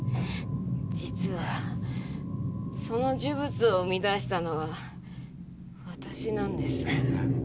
実は、その呪物を生み出したのは私なんです。